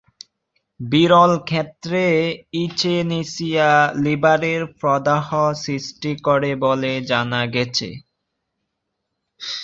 বিরল ক্ষেত্রে, ইচিনেসিয়া লিভারের প্রদাহ সৃষ্টি করে বলে জানা গেছে।